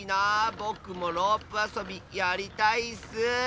ぼくもロープあそびやりたいッス！